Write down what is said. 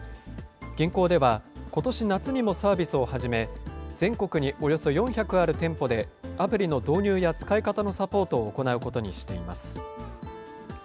銀行では、ことし夏にもサービスを始め、全国におよそ４００ある店舗でアプリの導入や使い方のサポートを行うことにしています。